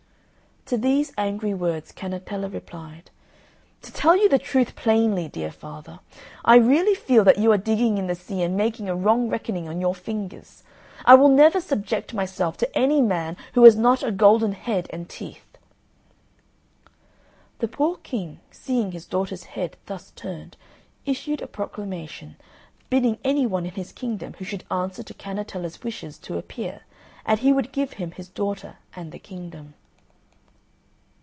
To these angry words Cannetella replied, "To tell you the truth plainly, dear father, I really feel that you are digging in the sea and making a wrong reckoning on your fingers. I will never subject myself to any man who has not a golden head and teeth." The poor King, seeing his daughter's head thus turned, issued a proclamation, bidding any one in his kingdom who should answer to Cannetella's wishes to appear, and he would give him his daughter and the kingdom.